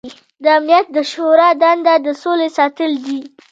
د امنیت د شورا دنده د سولې ساتل دي.